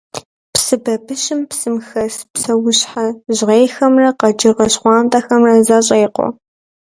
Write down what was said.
Псы бабыщым псым хэс псэущхьэ жьгъейхэмрэ къэкӏыгъэ щхъуантӏэхэмрэ зэщӏекъуэ.